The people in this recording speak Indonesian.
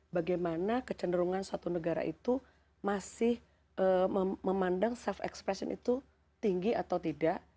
bagaimana kecenderungan suatu negara itu masih memandang self expression itu tinggi atau tidak